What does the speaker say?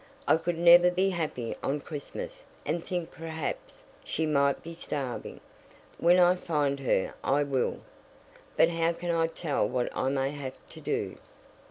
"I could never be happy on Christmas, and think perhaps she might be starving. When I find her I will But how can I tell what I may have to do?"